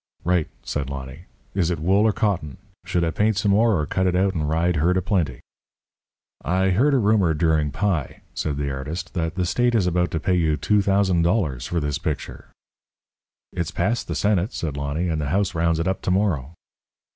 "Right," said Lonny. "Is it wool or cotton? Should I paint some more or cut it out and ride herd a plenty?" "I heard a rumour during pie," said the artist, "that the state is about to pay you two thousand dollars for this picture." "It's passed the Senate," said Lonny, "and the House rounds it up to morrow."